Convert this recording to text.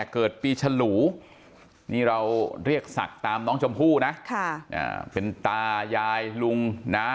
เกิดปีฉลูนี่เราเรียกศักดิ์ตามน้องชมพู่นะเป็นตายายลุงนะ